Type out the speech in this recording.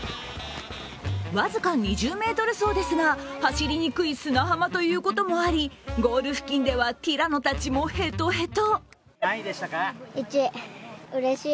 僅か２０ｍ走ですが、走りにくい砂浜ということもありゴール付近ではティラノたちもへとへと。